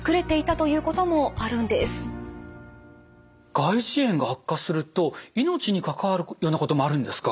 外耳炎が悪化すると命に関わるようなこともあるんですか？